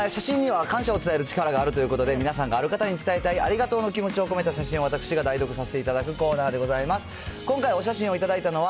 写真には感謝を伝える力があるということで、皆さんがある方に伝えたいありがとうの気持ちを込めた写真を私が代読させていただくコーナーでございます。